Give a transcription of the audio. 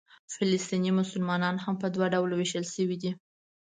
فلسطیني مسلمانان هم په دوه ډوله وېشل شوي دي.